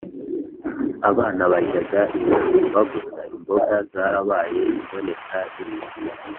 abana baryaga ibijumba gusa imboga zarabaye imboneka rimwe.